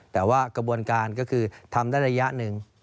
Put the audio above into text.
แต่ว่ากระบวนการก็คือทำได้ระยะหนึ่ง